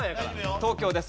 東京です。